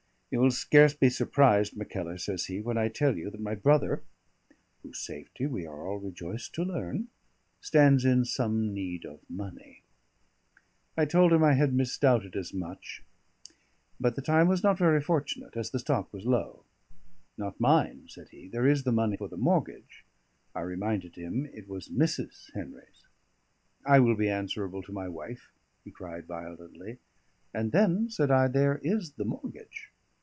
"You will scarce be surprised, Mackellar," says he, "when I tell you that my brother whose safety we are all rejoiced to learn stands in some need of money." I told him I had misdoubted as much; but the time was not very fortunate, as the stock was low. "Not mine," said he. "There is the money for the mortgage." I reminded him it was Mrs. Henry's. "I will be answerable to my wife," he cried violently. "And then," said I, "there is the mortgage."